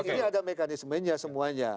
ini ada mekanismenya semuanya